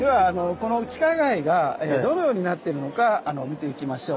この地下街がどのようになってるのか見ていきましょう。